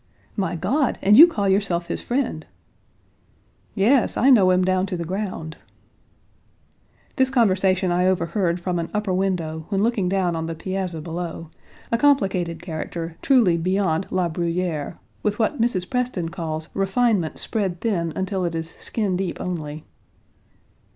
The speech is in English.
"My God! and you call yourself his friend." "Yes, I know him down to the ground." This conversation I overheard from an upper window when looking down on the piazza below a complicated character truly beyond La Bruyère with what Mrs. Preston calls refinement spread thin until it is skin deep only.